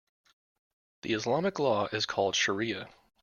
The Islamic law is called shariah.